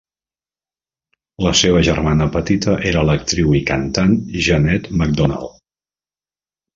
La seva germana petita era l'actriu i cantant Jeanette MacDonald.